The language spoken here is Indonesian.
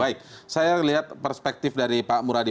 baik saya lihat perspektif dari pak muradi